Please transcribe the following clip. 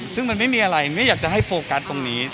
ซึ่งมันไม่มีอะไรไม่อยากจะให้โฟกัสตรงนี้